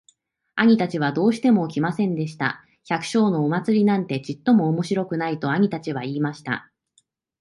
兄たちはどうしても来ませんでした。「百姓のお祭なんてちっとも面白くない。」と兄たちは言いました。